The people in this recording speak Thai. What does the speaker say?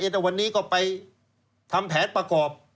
แต่วันนี้ก็ไปทำแผนประกอบ